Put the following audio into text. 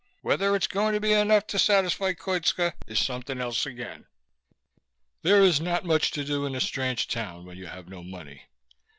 Whether it's going to be enough to satisfy Koitska is something else again." There is not much to do in a strange town when you have no money.